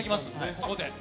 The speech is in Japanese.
ここで。